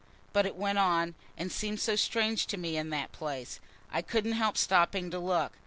But it went on, and seemed so strange to me in that place, I couldn't help stopping to look.